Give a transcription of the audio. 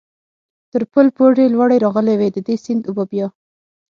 تر پل پورې لوړې راغلې وې، د دې سیند اوبه بیا.